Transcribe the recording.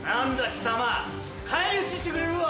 貴様返り討ちにしてくれるわ！